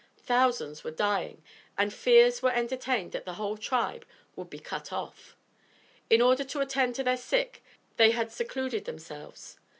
Thousands were dying and fears were entertained that the whole tribe would be cut off. In order to attend to their sick they had secluded themselves.